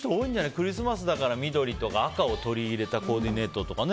クリスマスだから緑とか赤を取り入れたコーディネートとか。